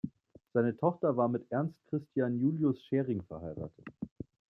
Seine Tochter war mit Ernst Christian Julius Schering verheiratet.